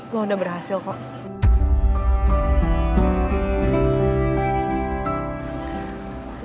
lu udah berhasil kok